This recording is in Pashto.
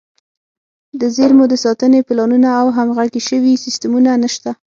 د زیرمو د ساتنې پلانونه او همغږي شوي سیستمونه نشته.